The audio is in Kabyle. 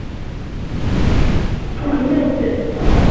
Tugem-d.